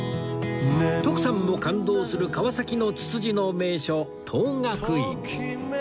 徳さんも感動する川崎のツツジの名所等覚院